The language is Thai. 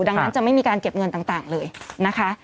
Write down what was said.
ดังนั้นจะไม่มีการเก็บเงินต่างเลยนะคะ